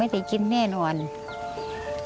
มันต้องกินแค่ไหนก็ต้องไปลูก